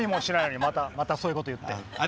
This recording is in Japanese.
また、そういうこといって。